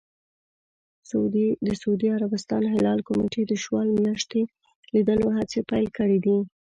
د سعودي عربستان هلال کمېټې د شوال میاشتې لیدلو هڅې پیل کړې دي.